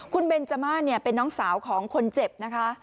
คุณเบนจาม่าเนี่ยเป็นน้องสาวของคนเจ็บนะคะ